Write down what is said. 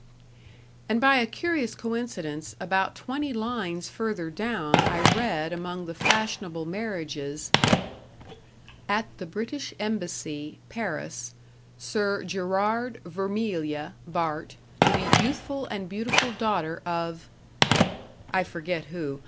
And by a curious coincidence, about twenty lines further down I read among the fashionable marriages: "AT THE BRITISH EMBASSY, PARIS, SIR GERARD VERMILYE, BART., TO THE YOUTHFUL AND BEAUTIFUL DAUGHTER OF " I forget who.